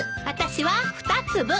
私は２粒。